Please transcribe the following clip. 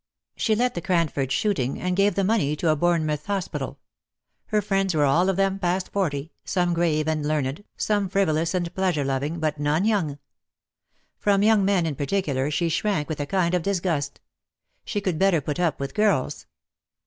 She let the Cranford shooting, and gave the money to a Bournemouth hospital. Her friends were all of them p^st forty, some grave and learned, some frivolous and pleasure loving, but none young. From young men in particular she shrank with a kind of disgust. She could better put up with girls.